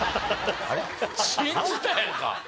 信じたやんか！